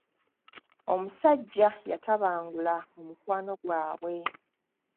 Omusajja yatabangula omukwano gwabwe.